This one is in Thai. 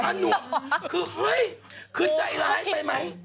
พาล้วมคือเห้ยคือใจร้ายไปมั้ย